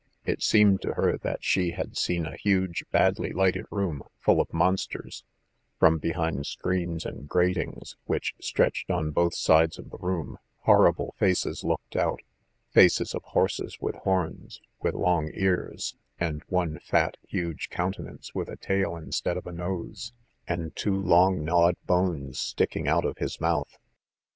It seemed to her that she had seen a huge, badly lighted room, full of monsters; from behind screens and gratings, which stretched on both sides of the room, horrible faces looked out: faces of horses with horns, with long ears, and one fat, huge countenance with a tail instead of a nose, and two long gnawed bones sticking out of his mouth.